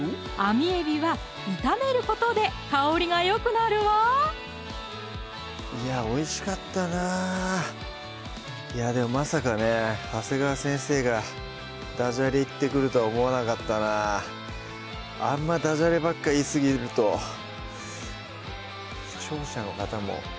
みえびは炒めることで香りがよくなるわいやおいしかったなでもまさかね長谷川先生がダジャレ言ってくるとは思わなかったなあんまダジャレばっか言いすぎるとしんないよね